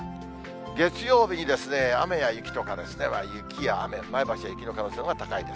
月曜日に雨や雪とか、雪や雨、前橋では雪の可能性のほうが高いです。